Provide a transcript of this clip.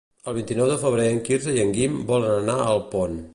El vint-i-nou de febrer en Quirze i en Guim volen anar a Alpont.